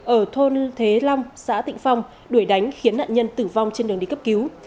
ở thôn thế long xã tịnh phong đuổi đánh khiến nạn nhân tử vong trên đường đi cấp cứu